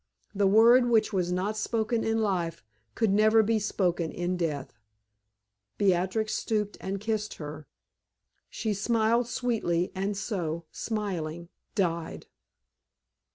The word which was not spoken in life could never be spoken in death. Beatrix stooped and kissed her. She smiled sweetly and so, smiling, died.